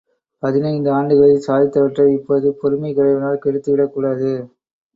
பதினைந்து ஆண்டுகளில் சாதித்தவற்றை இப்போது பொறுமைக் குறைவினால் கெடுத்துவிடக் கூடாது.